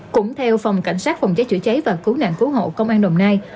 cũng theo phòng cảnh sát phòng cháy chữa cháy và cứu nạn cứu hộ công an đồng nai